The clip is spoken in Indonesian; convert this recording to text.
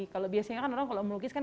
kalau biasanya kan orang kalau melukis kan